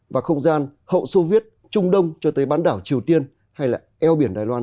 và không gian hậu soviet trung đông cho tới bán đảo triều tiên hay là eo biển đài loan